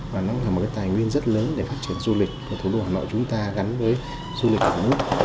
mà nó cũng là một tài nguyên rất lớn để phát triển du lịch của thủ đô hà nội chúng ta gắn với du lịch cả nước